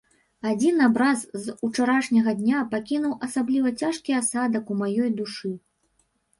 Адзін абраз з учарашняга дня пакінуў асабліва цяжкі асадак у маёй душы.